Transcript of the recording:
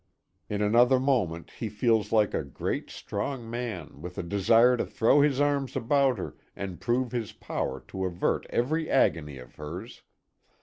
In another moment, he feels like a great, strong man, with a desire to throw his arms about her, and prove his power to avert every agony of hers.